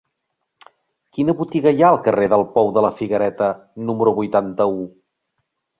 Quina botiga hi ha al carrer del Pou de la Figuereta número vuitanta-u?